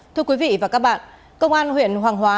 thưa quý vị và các bạn công an huyện hoàng hóa